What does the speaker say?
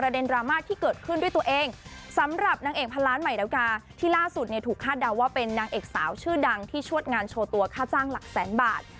เดาว่าเป็นนางเอกสาวชื่อดังที่ชวดงานโชว์ตัวค่าจ้างหลักแสนบาท